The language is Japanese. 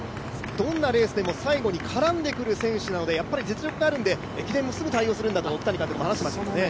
どんなレースでも最後に絡んでくる選手なので、やっぱり実力があるので、駅伝もすぐに対応できるんだと監督も話していましたね。